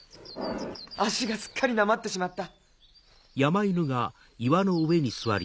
足がすっかりなまってしまった。